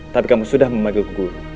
tapi kamu sudah memanggil guru